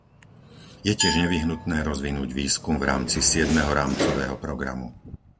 Je tiež nevyhnutné rozvinúť výskum v rámci siedmeho rámcového programu.